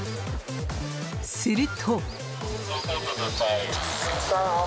すると。